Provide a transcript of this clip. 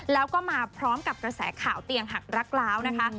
แล้วก็มาพร้อมกับกระแสข่าวเตียงหักรักล้าวนะคะ